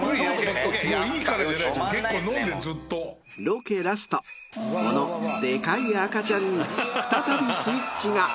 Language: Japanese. ［ロケラストこのでかい赤ちゃんに再びスイッチが］